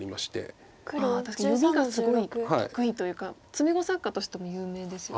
ああ確かに読みがすごい得意というか詰碁作家としても有名ですよね。